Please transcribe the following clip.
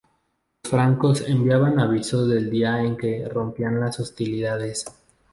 Los francos enviaban aviso del día en que rompían las hostilidades.